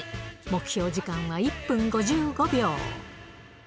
目標時間は１分５５秒。